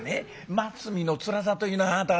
待つ身のつらさというのをあなた方。